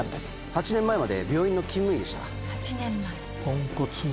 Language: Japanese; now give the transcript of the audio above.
８年前まで病院の勤務医でした８年前ポンコツは？